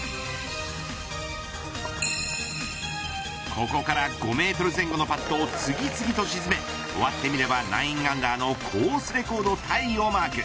ここから、５メートル前後のパットを次々と沈め終わってみれば９アンダーのコースレコードタイをマーク。